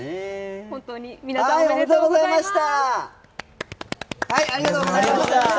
本当に皆さん、おめでとうございました。